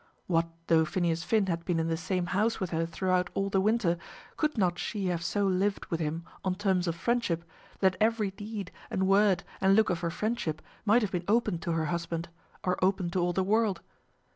What though Phineas Finn had been in the same house with her throughout all the winter, could not she have so lived with him on terms of friendship, that every deed and word and look of her friendship might have been open to her husband, or open to all the world?